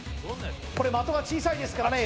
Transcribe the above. これ的が小さいですからね